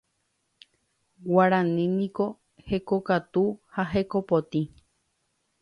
Guarani niko hekokatu ha hekopotĩ.